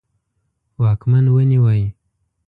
واکمن ونیوی.